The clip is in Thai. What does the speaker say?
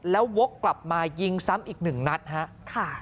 แล้ววกกลับมายิงซ้ำอีกหนึ่งนัดครับ